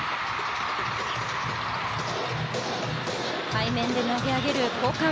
背面で投げ上げる交換。